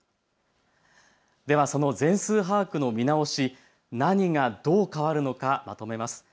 では、その全数把握の見直し、何がどう変わるのかまとめます。